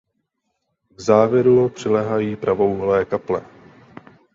K závěru přiléhají pravoúhlé kaple.